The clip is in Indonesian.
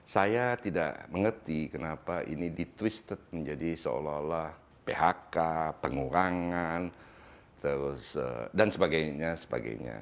saya tidak mengerti kenapa ini ditwisted menjadi seolah olah phk pengurangan dan sebagainya